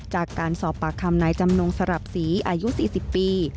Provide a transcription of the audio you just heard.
จากการสอบปากคำนายจำนงสลับศรีอายุ๔๐ปี